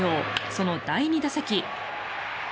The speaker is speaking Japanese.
その第２打席。